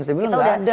saya bilang enggak ada